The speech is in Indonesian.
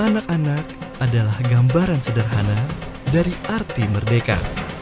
anak anak adalah gambaran sederhana dari arti merdeka